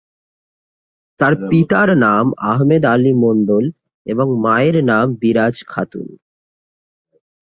তার পিতার নাম আহমেদ আলী মন্ডল এবং মায়ের নাম বিরাজ খাতুন।